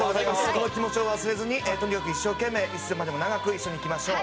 この気持ちを忘れずにとにかく一生懸命いつまでも長く一緒に生きましょう。